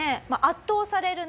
圧倒される